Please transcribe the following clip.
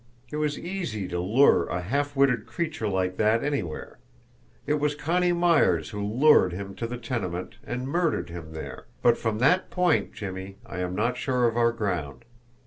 It was easy to lure a half witted creature like that anywhere; it was Connie Myers who lured him to the tenement and murdered him there but from that point, Jimmie, I am not sure of our ground.